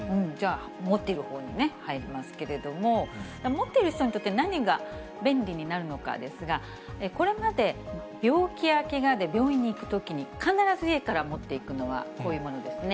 持っている人に入りますけれども、持ってる人にとって、何が便利になるのかですが、これまで病気やけがで病院に行くときに、必ず家から持っていくのは、こういうものですね。